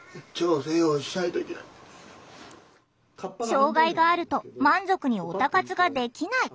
障害があると満足にオタ活ができない。